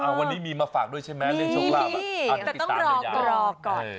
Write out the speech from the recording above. อ่าวันนี้มีมาฝากด้วยใช่ไหมเรียกช่องราบนี่มีแต่ต้องรอกก่อน